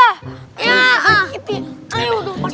ayolah pasik ginti ayolah